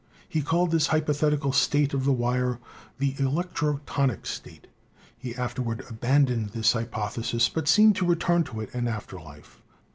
He called this hypothetical state of the wire the electrotonic state; he afterward abandoned this hypothesis, but seemed to return to it in after life.